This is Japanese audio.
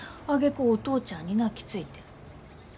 あげくお父ちゃんに泣きついて。